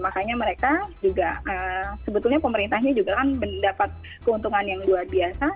makanya mereka juga sebetulnya pemerintahnya juga kan mendapat keuntungan yang luar biasa